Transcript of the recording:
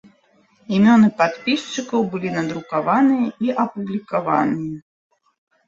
Імёны падпісчыкаў былі надрукаваныя і апублікаваныя.